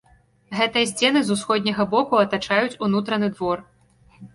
Гэтыя сцены з усходняга боку атачаюць унутраны двор.